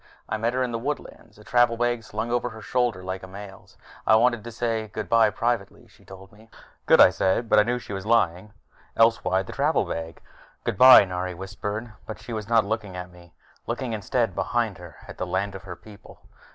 I met her in the woodlands, a travel bag slung over her shoulder like a male's. "I wanted to say goodbye privately," she told me. "Good," I said, but I knew she was lying. Else why the travel bag? "Goodbye," Nari whispered, but she was not looking at me. Looking, instead, behind her, at the land of her people.